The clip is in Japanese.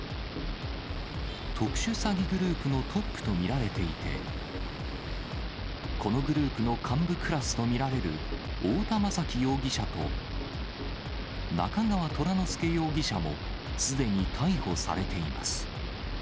特殊詐欺グループのトップと見られていて、このグループの幹部クラスと見られる、太田雅揮容疑者と中川虎乃輔容疑者もすでに逮捕されています。